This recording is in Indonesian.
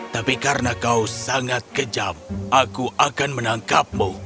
tapi karena kau sangat kejam aku akan menangkapmu